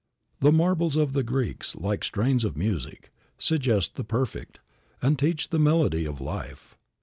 The marbles of the Greeks, like strains of music, suggest the perfect, and teach the melody of life.